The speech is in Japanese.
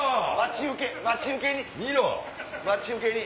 待ち受けに。